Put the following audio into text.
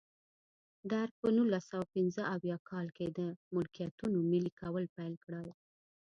درګ په نولس سوه پنځه اویا کال کې د ملکیتونو ملي کول پیل کړل.